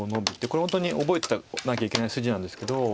これ本当に覚えなきゃいけない筋なんですけど。